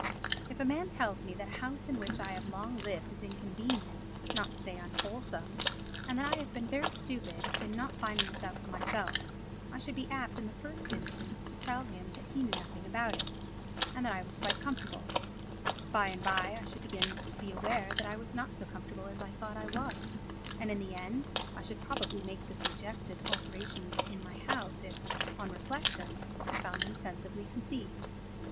If a man tells me that a house in which I have long lived is inconvenient, not to say unwholesome, and that I have been very stupid in not finding this out for myself, I should be apt in the first instance to tell him that he knew nothing about it, and that I was quite comfortable; by and by, I should begin to be aware that I was not so comfortable as I thought I was, and in the end I should probably make the suggested alterations in my house if, on reflection, I found them sensibly conceived.